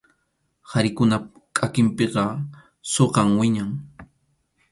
Qharikunap kʼakinpiqa sunkham wiñan.